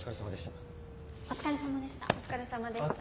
お疲れさまでした。